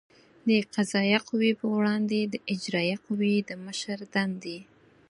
د قضایه قوې پر وړاندې د اجرایه قوې د مشر دندې